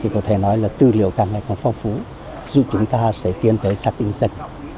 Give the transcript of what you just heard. có thể nói là tư liệu càng ngày càng phong phú dù chúng ta sẽ tiến tới sát đi dần